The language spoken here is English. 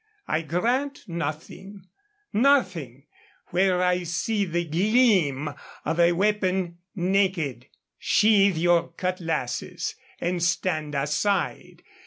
I grant nothing nothing where I see the gleam of a weapon naked. Sheathe your cutlasses and stand aside.